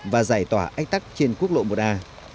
và giải tỏa ách tắc trên quốc lộ một a